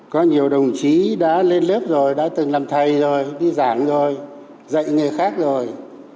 có nhiều đồng chí đã lên lớp rồi đã từng làm thầy rồi đi giảng rồi dạy người khác rồi